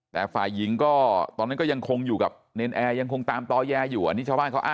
แต่ฝ่ายหญิงก็ตอนนั้นก็ยังคงอยู่กับเนรนแอร์ยังคงตามต่อแย้อยู่อ่ะ